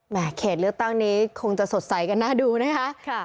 เขตเลือกตั้งนี้คงจะสดใสกันน่าดูนะคะ